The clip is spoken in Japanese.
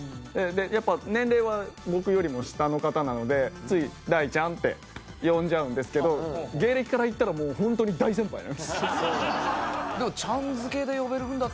やっぱ年齢は僕よりも下の方なのでつい「大ちゃん」って呼んじゃうんですけど芸歴からいったらもう本当に大先輩なんですよ。